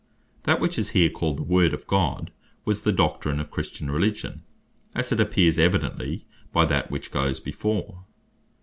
That which is here called the Word of god, was the Doctrine of Christian Religion; as it appears evidently by that which goes before.